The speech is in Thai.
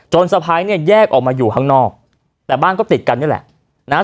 สะพ้ายเนี่ยแยกออกมาอยู่ข้างนอกแต่บ้านก็ติดกันนี่แหละนะฮะ